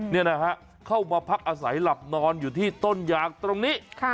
นี่นะฮะเข้ามาพักอาศัยหลับนอนอยู่ที่ต้นยางตรงนี้